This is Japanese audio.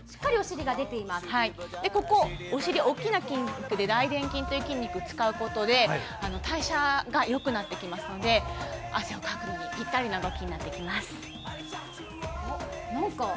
ここ、お尻大でん筋という筋肉を使うことで代謝がよくなってきますので汗をかくのにぴったりな動きになっていきます。